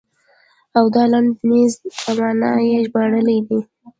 او د لنډې نېزې په معنا یې ژباړلې ده.